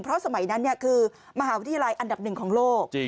เพราะสมัยนั้นคือมหาวิทยาลัยอันดับหนึ่งของโลก